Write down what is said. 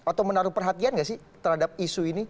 atau menaruh perhatian nggak sih terhadap isu ini